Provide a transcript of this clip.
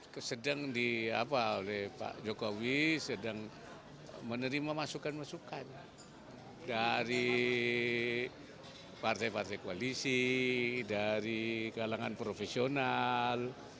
kabinet sedang menerima masukan masukan dari partai partai koalisi dari kalangan profesional